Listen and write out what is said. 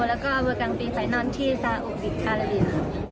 แล้วก็เวอร์กังปีไฟนอนที่ซาอุอีกฮาราบีน